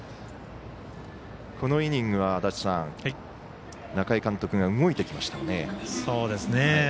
このイニングは中井監督が動いてきましたね。